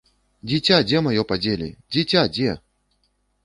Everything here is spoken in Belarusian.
Дзіця дзе маё падзелі, дзіця дзе?